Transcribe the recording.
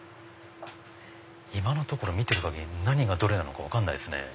今のところ見てる限り何がどれか分かんないですね。